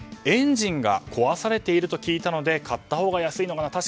エンジンが壊されていると聞いたので買ったほうが安いのかな。